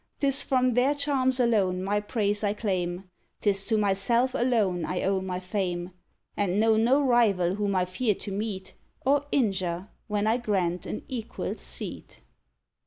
'Tis from their charms alone my praise I claim; 'Tis to myself alone, I owe my fame; And know no rival whom I fear to meet, Or injure, when I grant an equal seat.